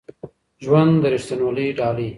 ژوند د ریښتینولۍ ډالۍ